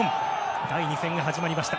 第２戦が始まりました。